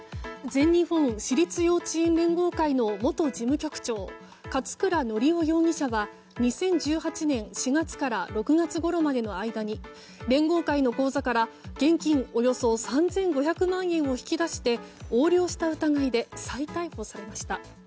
全日本私立幼稚園連合会の元事務局長勝倉教雄容疑者は２０１８年４月から６月ごろまでの間に連合会の口座から現金およそ３５００万円を引き出して横領した疑いで再逮捕されました。